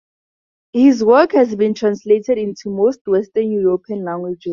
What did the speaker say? His work has been translated into most Western European languages.